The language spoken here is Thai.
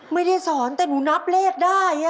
ไม่ได้สอนแต่หนูนับเลขได้